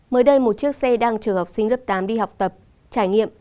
mới đây một chiếc xe đang chờ học sinh lớp tám đi học tập trải nghiệm